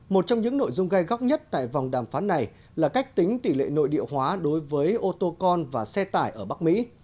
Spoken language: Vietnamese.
một trong những nội dung gai góc nhất tại vòng đàm phán này là cách tính tỷ lệ nội địa hóa đối với ô tô con và xe tải ở bắc mỹ